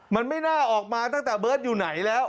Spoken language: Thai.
มันไม่น่าออกมาตั้งแต่เบิร์ตอยู่ไหนแล้ว